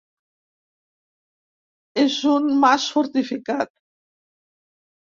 És un mas fortificat.